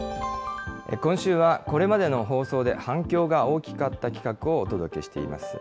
今週はこれまでの放送で反響が大きかった企画をお届けしています。